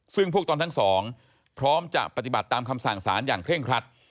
ซึ่งพวกตนทั้งสองพร้อมจะปฏิบัติตามคำสั่งสารอย่างเคร่งครัด